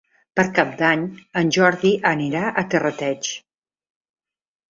Per Cap d'Any en Jordi anirà a Terrateig.